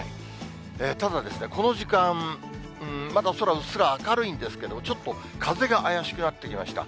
ただ、この時間、まだ空、うっすら明るいんですけど、ちょっと風が怪しくなってきました。